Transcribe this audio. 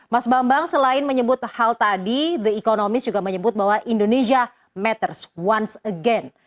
mas bambang selain menyebut hal tadi the economist juga menyebut bahwa indonesia matters once again